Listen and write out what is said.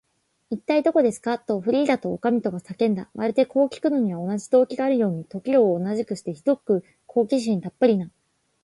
「いったい、どこですか？」と、フリーダとおかみとが叫んだ。まるで、こうきくのには同じ動機があるかのように、時を同じくして、ひどく好奇心たっぷりな